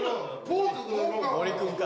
森君か？